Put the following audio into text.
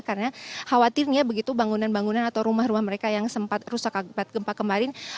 karena khawatirnya begitu bangunan bangunan atau rumah rumah mereka yang sempat rusak keempat kemarin